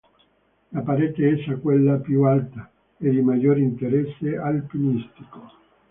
La parete est è quella più alta e di maggior interesse alpinistico.